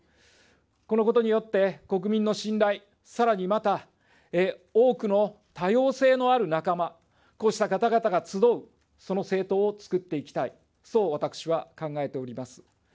このことによって、国民の信頼、さらにまた、多くの多様性のある仲間、こうした方々が集うその政党をつくっていきたい、そう私は考えております。